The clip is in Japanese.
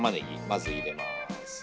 まず入れます。